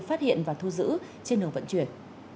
phát hiện và thu giữ trên đường vận chuyển